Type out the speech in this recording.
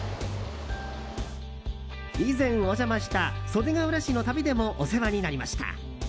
以前お邪魔した袖ケ浦市の旅でもお世話になりました。